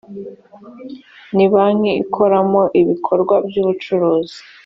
nibanki ikoramo ibikorwa by ubucuruzi